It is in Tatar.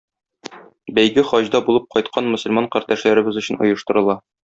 Бәйге хаҗда булып кайткан мөселман кардәшләребез өчен оештырыла.